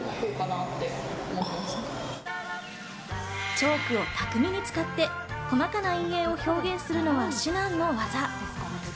チョークを巧みに使って細かな陰影を表現するのは至難の業。